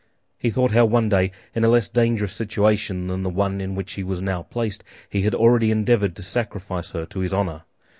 He thought how one day, in a less dangerous situation than the one in which he was now placed, he had already endeavored to sacrifice her to his honor.